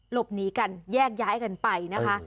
หลบหนีกันแยกย้ายกันไปนะคะ